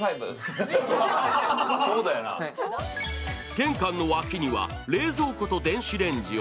玄関の脇には、冷蔵庫と電子レンジを。